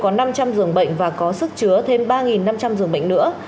giã chiến nightingale có năm trăm linh dường bệnh và có sức chứa thêm ba năm trăm linh dường bệnh nữa